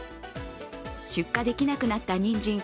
出荷できなくなったにんじん